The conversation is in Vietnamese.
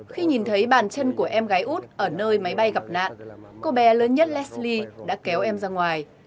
khi nhìn thấy bàn chân của em gái út ở nơi máy bay gặp nạn cô bé lớn nhất lesli đã kéo em ra ngoài